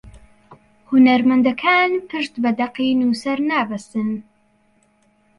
هونەرمەندەکان پشت بە دەقی نووسەر نابەستن